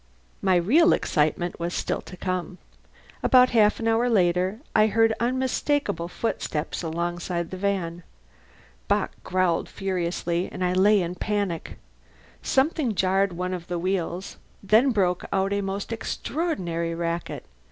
But my real excitement was still to come. About half an hour later I heard unmistakable footsteps alongside the van. Bock growled furiously, and I lay in a panic. Something jarred one of the wheels. Then broke out a most extraordinary racket.